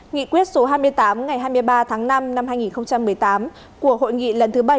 nghị quyết số hai mươi tám ngày hai mươi ba tháng năm năm hai nghìn một mươi tám của hội nghị lần thứ bảy